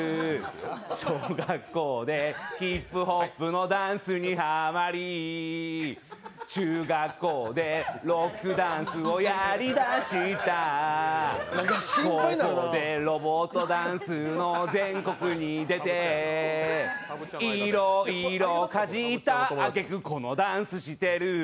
小学校でヒップホップのダンスにはまり中学校でロックダンスをやりだした高校でロボットダンスの全国に出ていろいろかじった挙げ句このダンスしてる。